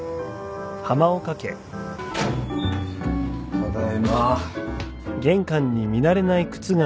ただいま。